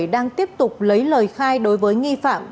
đang tiếp tục lấy lời khai đối với nghi phạm